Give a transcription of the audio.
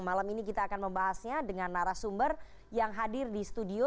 malam ini kita akan membahasnya dengan narasumber yang hadir di studio